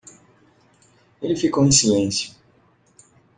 Ele ficou em silêncio